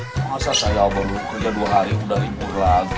masa saya baru kerja dua hari udah imbur lagi